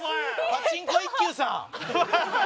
パチンコ一休さん。